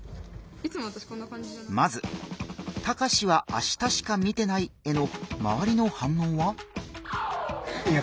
まず「タカシは明日しか見てない」へのまわりの反応は？